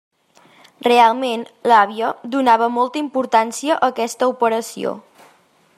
Realment l'àvia donava molta importància a aquesta operació.